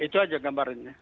itu aja gambarnya